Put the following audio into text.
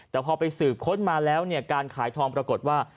แต่พอไปสืบค้นมาแล้วเนี่ยการขายทองปรากฏว่า